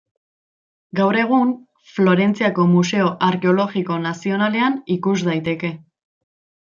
Gaur egun Florentziako Museo Arkeologiko Nazionalean ikus daiteke.